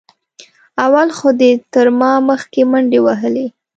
اول خو دې تر ما مخکې منډې وهلې.